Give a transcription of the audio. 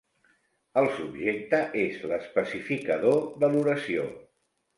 El subjecte és l'especificador de l'oració.